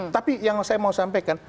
tapi yang saya mau sampaikan